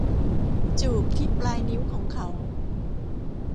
จูบที่ปลายนิ้วของเขา